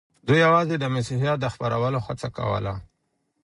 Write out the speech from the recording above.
دوی یوازې د مسیحیت د خپرولو هڅه کوله.